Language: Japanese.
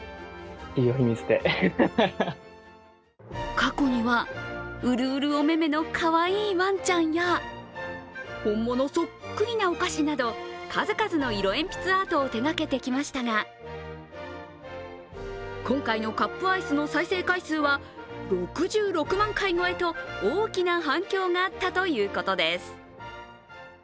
過去には、うるうるお目目のかわいいワンちゃんや本物そっくりなお菓子など数々の色鉛筆アートを手がけてきましたが今回のカップアイスの再生回数は６６万回超えと大きな反響があったということです。